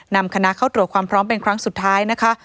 นำคณะเข้าตรวจความพร้อมเป็นครั้งสุดท้ายนะคะ